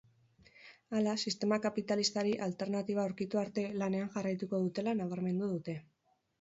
Hala, sistema kapitalistari alternatiba aurkitu arte lanean jarraituko dutela nabarmendu dute.